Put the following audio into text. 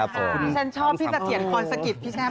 ฉันชอบพี่สะเถียนพอสะกิดพี่แช่ม